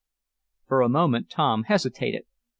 For a moment Tom hesitated.